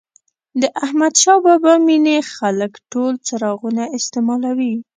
د احمدشاه بابا مېنې خلک ټول څراغونه استعمالوي.